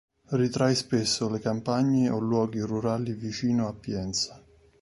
Ritrae spesso le campagne o luoghi rurali vicino a Pienza.